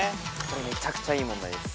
めちゃくちゃいい問題です。